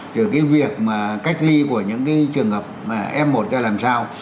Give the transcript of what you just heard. rồi cái việc mà cách ly của những cái trường hợp f một cho làm sao